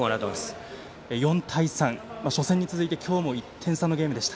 ４対３、初戦に続いて今日も１点差のゲームでした。